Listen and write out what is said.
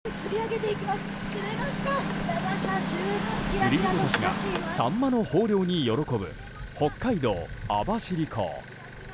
釣り人たちがサンマの豊漁に喜ぶ北海道網走港。